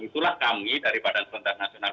itulah kami dari badan standar nasional